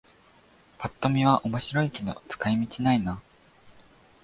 ぱっと見は面白いけど使い道ないな